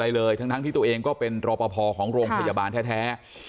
อะไรเลยทั้งที่ตัวเองก็เป็นรอปภของโรงพยาบาลแท้